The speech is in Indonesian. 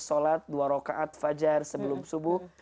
sholat dua rokaat fajar sebelum subuh